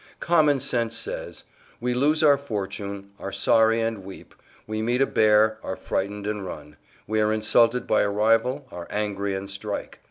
Common sense says: we lose our fortune, are sorry and weep; we meet a bear, are frightened and run; we are insulted by a rival, are angry and strike.